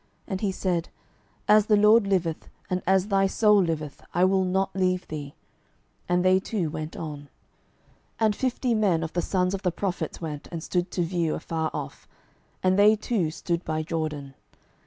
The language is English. And he said, As the LORD liveth, and as thy soul liveth, I will not leave thee. And they two went on. 12:002:007 And fifty men of the sons of the prophets went, and stood to view afar off: and they two stood by Jordan.